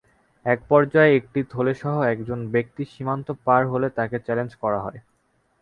একপর্যায়ে একটি থলেসহ একজন ব্যক্তি সীমান্ত পার হলে তাঁকে চ্যালেঞ্জ করা হয়।